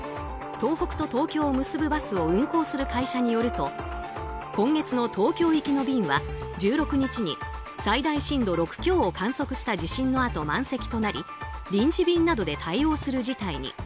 東北と東京を結ぶバスを運行する会社によると今月の東京行きの便は１６日に最大震度６強を観測した地震のあと満席となり臨時便などで対応する事態に。